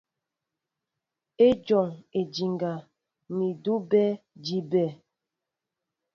Ejɔŋ ediŋgá ni edúbɛ́ éjḭmbɛ́ɛ́.